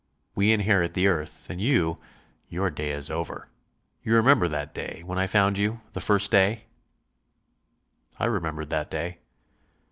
We inherit the earth and you, your day is over.... You remember that day, when I found you the first day?" I remembered that day.